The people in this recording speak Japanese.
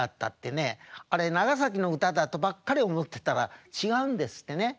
あれ長崎の歌だとばっかり思ってたら違うんですってね。